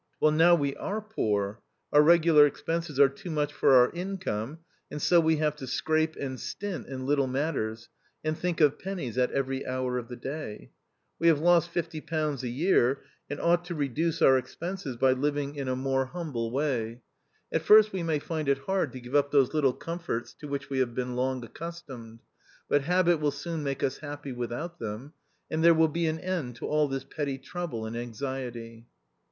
Well, now we are poor ; our regular expenses are too much for our income, and so we have to scrape and stint in little matters, and think of pennies at every hour of the day. We have lost £50 a year, and ought to reduce our expenses by living in a more 1 84 THE OUTCAST. humble way. At first we may find it hard to give up those little comforts to which we have been long accustomed ; but habit will soon make us happy without them, and there will be an end to all this petty trouble and anxiety."